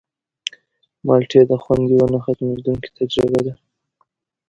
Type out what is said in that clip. مالټې د خوند یوه نه ختمېدونکې تجربه ده.